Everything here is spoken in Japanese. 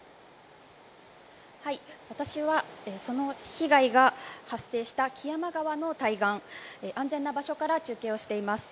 私はその被害が発生した木山川の対岸安全な場所から中継をしています。